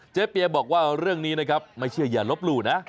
เปียบอกว่าเรื่องนี้นะครับไม่เชื่ออย่าลบหลู่นะ